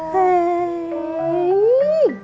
jangan dipegang pegang